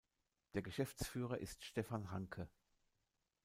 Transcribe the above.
Der Geschäftsführer ist Stefan Hanke.